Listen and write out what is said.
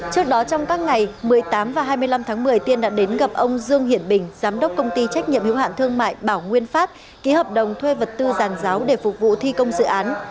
trước đó trong các ngày một mươi tám và hai mươi năm tháng một mươi tiên đã đến gặp ông dương hiển bình giám đốc công ty trách nhiệm hiếu hạn thương mại bảo nguyên pháp ký hợp đồng thuê vật tư giàn giáo để phục vụ thi công dự án